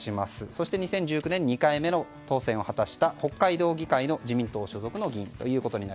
そして２０１９年２回目の当選を果たした北海道議会の自民党所属議員です。